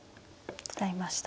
使いました。